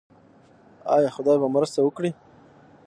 آیا خدای به مرسته وکړي؟